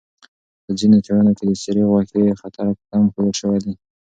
په ځینو څېړنو کې د سرې غوښې خطر کم ښودل شوی دی.